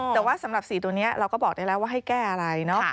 แต่ว่าสำหรับ๔ตัวนี้เราก็บอกได้แล้วว่าให้แก้อะไรเนาะ